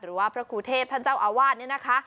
หรือว่าพระครูเทพฯท่านเจ้าอาวาสเนี่ยนะคะ